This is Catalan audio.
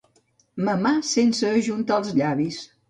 Mamar sense ajuntar els llavis.